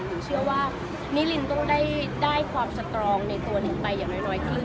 เชื่อว่านิรินต้องได้ความสตรองในตัวนิงไปอย่างน้อยขึ้น